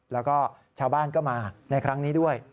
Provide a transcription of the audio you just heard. แล้วก็ชาวบ้านก็มาในครั้งนี้ด้วย